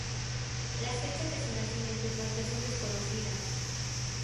Las fechas de su nacimiento y muerte son desconocidas.